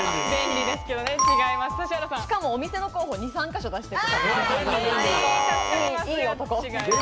しかもお店の候補、２３ヶ所、出してくれる。